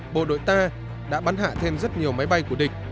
bộ đội ta đã bắn hạ thêm rất nhiều máy bay của địch